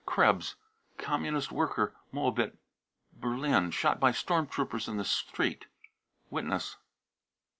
krebs, Communist worker, Moabit, Berlin, shot by storm troopers in the street, (Witness.)